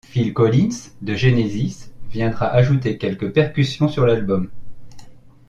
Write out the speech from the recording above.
Phil Collins de Genesis viendra ajouter quelques percussions sur l'album.